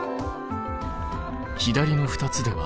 左の２つでは？